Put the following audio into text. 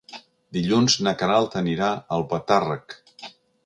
Dilluns na Queralt anirà a Albatàrrec.